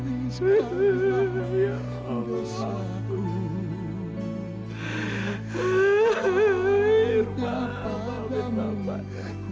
irma apa yang terjadi